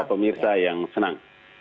para pemirsa yang senang